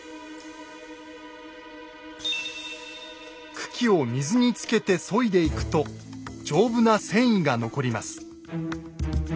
茎を水につけて削いでいくと丈夫な繊維が残ります。